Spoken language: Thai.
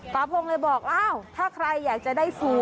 ปาพรงค์บอกว่าใครอยากจะได้สูตร